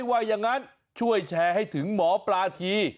เฮ้ยว่ายังงั้นช่วยแชร์ให้ถึงหมอปลาที